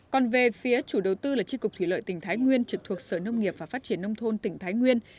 còn về phía chủ đầu tư là tri cục thủy lợi tỉnh thái nguyên trực thuộc sở nông nghiệp và phát triển nông thôn tỉnh thái nguyên